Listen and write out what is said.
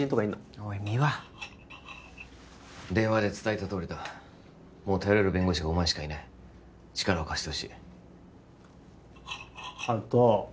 おい三輪電話で伝えたとおりだもう頼れる弁護士がお前しかいない力を貸してほしい温人